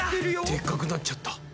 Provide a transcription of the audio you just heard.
でっかくなっちゃった。